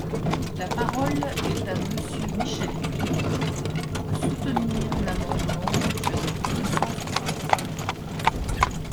La parole est à Monsieur Michel Piron, pour soutenir l’amendement numéro deux cent soixante-cinq.